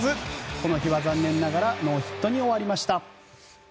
この日は残念ながらノーヒットに終わりました。